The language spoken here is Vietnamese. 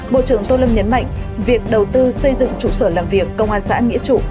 bộ trưởng tô lâm nhấn mạnh việc đầu tư xây dựng trụ sở làm việc công an xã nghĩa trụ